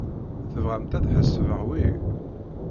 Tebɣamt ad ḥesbeɣ wi?